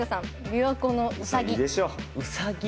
「びわ湖のうさぎ」。